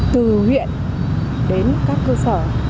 từ huyện đến các cơ sở